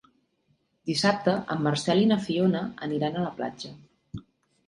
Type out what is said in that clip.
Dissabte en Marcel i na Fiona aniran a la platja.